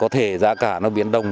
có thể giá cả nó biến đông